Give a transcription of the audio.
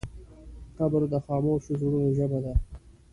قبر د خاموشو زړونو ژبه ده.